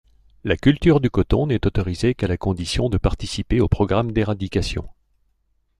La culture du coton n'est autorisée qu'à la condition de participer au programme d'éradication.